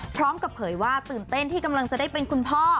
พร้อมกับเผยว่าตื่นเต้นที่กำลังจะได้เป็นคุณพ่อ